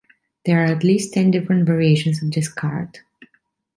There are at least ten different variations of this card.